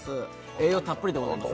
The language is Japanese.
栄養たっぷりでございます